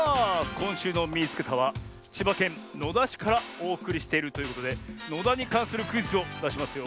こんしゅうの「みいつけた！」はちばけんのだしからおおくりしているということでのだにかんするクイズをだしますよ。